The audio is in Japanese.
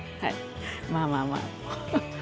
まあまあまあ。